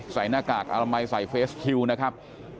หน้ากากอนามัยใส่เฟสคิวนะครับ